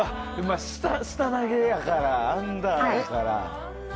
下投げやからアンダーやから。